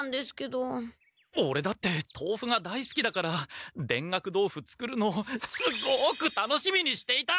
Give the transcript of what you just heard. オレだって豆腐が大すきだから田楽豆腐作るのすごく楽しみにしていた！